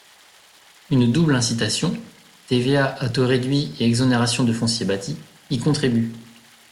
Une double incitation – TVA à taux réduit et exonération de foncier bâti – y contribue.